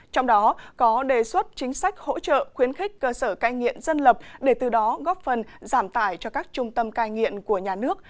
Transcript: trong đó có đề xuất chính sách hỗ trợ khuyến khích cơ sở cai nghiện dân lập để từ đó góp phần giảm tải cho các trung tâm cai nghiện của nhà nước